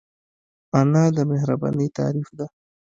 انا د مهربانۍ تعریف ده